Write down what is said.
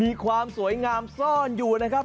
มีความสวยงามซ่อนอยู่นะครับ